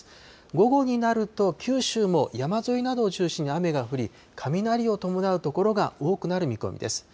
午後になると九州も山沿いなどを中心に雨が降り、雷を伴う所が多くなる見込みです。